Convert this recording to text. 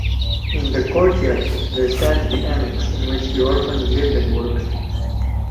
In the "Courtyard" there stands the annex in which the orphans lived and worked.